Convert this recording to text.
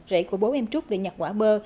rẫy của bố em trúc để nhặt quả bơ